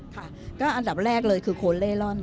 ค่ะก็อันดับแรกเลยคือคนเล่ร่อน